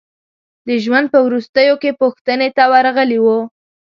د ژوند په وروستیو کې پوښتنې ته ورغلي وو.